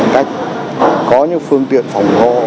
cách có những phương tiện phòng ngò